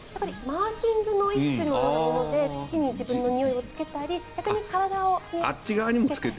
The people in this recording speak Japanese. マーキングの一種のようなもので土に自分のにおいをつけたり逆に体をつけたり。